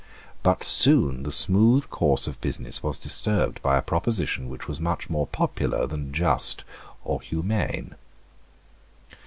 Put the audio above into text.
But soon the smooth course of business was disturbed by a proposition which was much more popular than just or humane.